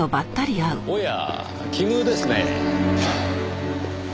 おや奇遇ですね。